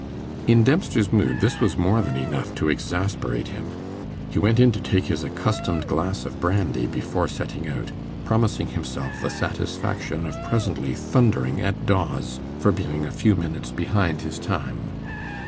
In Dempster's mood this was more than enough to exasperate him. He went in to take his accustomed glass of brandy before setting out, promising himself the satisfaction of presently thundering at Dawes for being a few minutes behind his time.